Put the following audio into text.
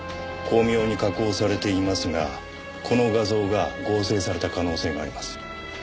巧妙に加工されていますがこの画像が合成された可能性があります。